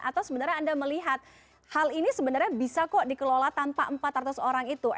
atau sebenarnya anda melihat hal ini sebenarnya bisa kok dikelola tanpa empat ratus orang itu